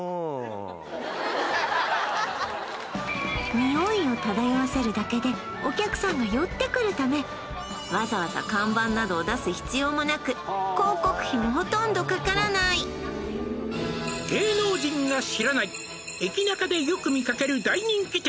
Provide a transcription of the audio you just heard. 匂いを漂わせるだけでお客さんが寄ってくるためわざわざ看板などを出す必要もなく広告費もほとんどかからない「芸能人が知らない駅ナカでよく見かける大人気店」